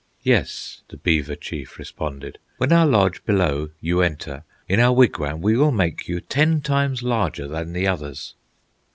"Yes," the beaver chief responded, "When our lodge below you enter, In our wigwam we will make you Ten times larger than the others."